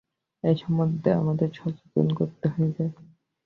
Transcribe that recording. এই সন্বন্ধে আমাদের সচেতন হইতে হইবে।